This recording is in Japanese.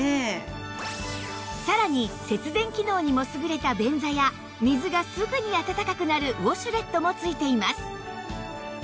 さらに節電機能にも優れた便座や水がすぐに温かくなるウォシュレットも付いています